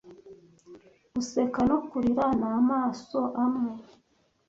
guseka no kurira n'amaso amwe,